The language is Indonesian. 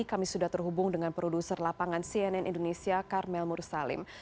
kami sudah terhubung dengan produser lapangan cnn indonesia karmel mursalim